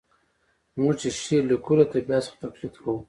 موږ چي شعر لیکو له طبیعت څخه تقلید کوو.